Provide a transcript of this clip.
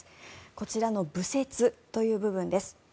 こちらの部説という部分です。